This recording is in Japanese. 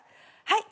はい。